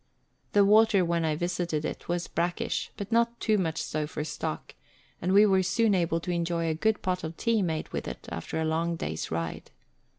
The water when I visited it was brackish, but not too much so for stock, and we were soon able to enjoy a good pot of tea made with it, after a long day's ride.